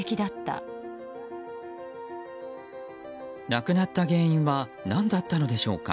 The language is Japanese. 亡くなった原因は何だったのでしょうか。